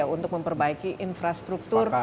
untuk memperbaiki infrastruktur